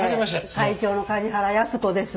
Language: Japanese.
会長の梶原安子です。